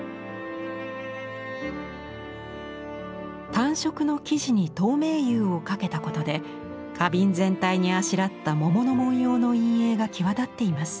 単色の生地に透明釉をかけたことで花瓶全体にあしらった桃の文様の陰影が際立っています。